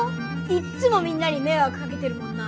いっつもみんなにめいわくかけてるもんな。